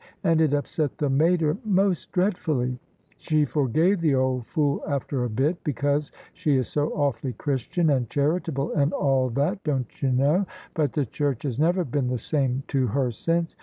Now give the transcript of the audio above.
And it upset the mater most dreadfully. She forgave the old fool after a bit, because she is so awfully Christian and charitable and all that, don't you know? But the church has never been the same to her since.